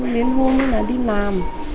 lên hôn hay là đi làm